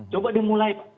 coba dimulai pak